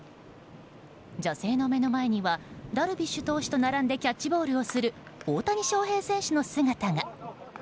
女性の目の前にはダルビッシュ投手と並んでキャッチボールをする大谷翔平選手の姿が。